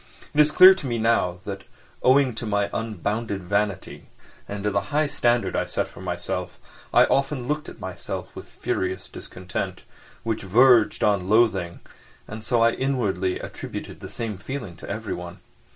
It is clear to me now that, owing to my unbounded vanity and to the high standard I set for myself, I often looked at myself with furious discontent, which verged on loathing, and so I inwardly attributed the same feeling to everyone.